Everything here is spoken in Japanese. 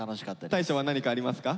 大昇は何かありますか？